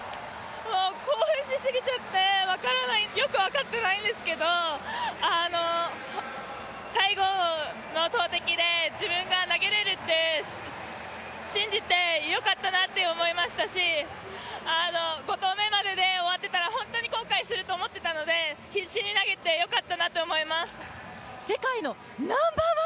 もう興奮しすぎちゃってよく分かってないんですけど最後の投てきで自分が投げれるって信じてよかったなって思いましたし５投目までで終わっていたら本当に後悔すると思っていたので必死に投げてよかったなと思います。